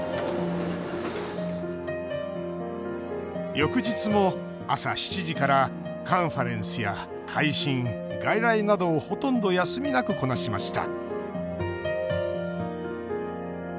翌日も朝７時からカンファレンスや回診外来などをほとんど休みなくこなしました。